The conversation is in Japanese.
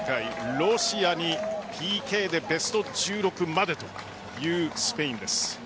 ロシアにＰＫでベスト１６までというスペインです。